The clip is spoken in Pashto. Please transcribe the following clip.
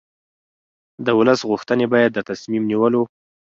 د ولس غوښتنې باید د تصمیم نیولو